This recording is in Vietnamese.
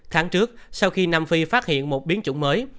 tháng trước sau khi nam phi phát hiện một biến chủng mới